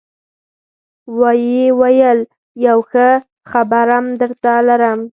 ويې ويل يو ښه خبرم درته لرم.